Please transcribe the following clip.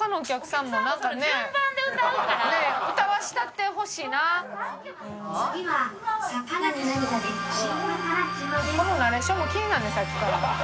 さっきから。